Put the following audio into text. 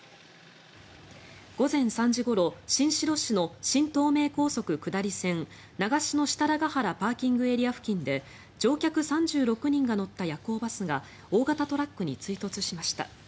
午前３時ごろ新城市の新東名高速下り線長篠設楽原ＰＡ付近で乗客３６人が乗った夜行バスが大型トラックに追突しました。